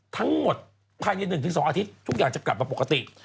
ทั้งหมดภายใน๑๒อาทิตย์ทุกอย่างจะกลับมาปกติ